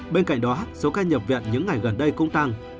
bên cạnh đó số ca nhập viện những ngày gần đây cũng tăng